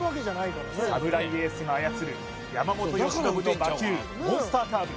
サムライエースが操る山本由伸の魔球モンスターカーブ